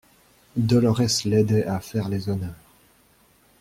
Dolorès l'aidait à faire les honneurs.